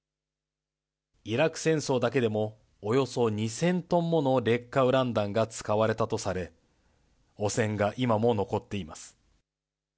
イラク戦争だけでもおよそ２０００トンもの劣化ウラン弾が使われたとされ、汚染が今も残っています。